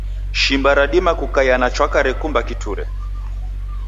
Shimba radima kukaia na chwaka rekumba kiture.